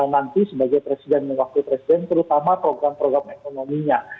nanti sebagai presiden dan wakil presiden terutama program program ekonominya